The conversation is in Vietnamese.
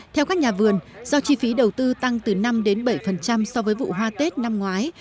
theo các nhà vườn do chi phí đầu tư tăng từ năm bảy so với vụ hoa tết năm ngoái